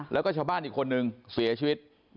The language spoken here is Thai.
แล้วก็ชาวบ้านอีกคนนึงเสียชีวิต